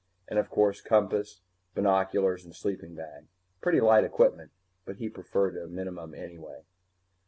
And, of course, compass and binoculars and sleeping bag. Pretty light equipment, but he preferred a minimum anyway.